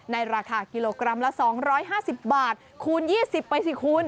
ราคากิโลกรัมละ๒๕๐บาทคูณ๒๐ไปสิคุณ